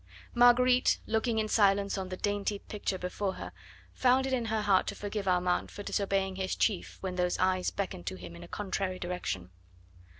Marguerite, looking in silence on the dainty picture before her, found it in her heart to forgive Armand for disobeying his chief when those eyes beckoned to him in a contrary direction.